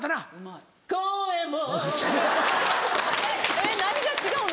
えっ何が違うの？